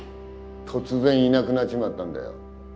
突然いなくなっちまったんだよ。